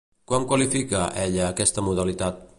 Com qualifica, ella, aquesta modalitat?